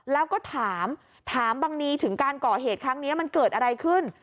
แล้วก็ถามถามบังนีถึงการก่อเหตุครั้งนี้มันเกิดอะไรขึ้น